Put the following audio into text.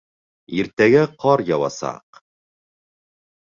Иртәгә ҡар яуасаҡ.